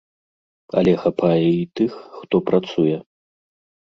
Але хапае і тых, хто працуе.